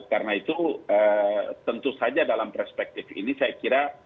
karena itu tentu saja dalam perspektif ini saya kira